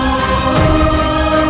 kau akan menang